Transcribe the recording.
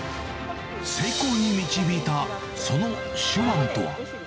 成功に導いたその手腕とは。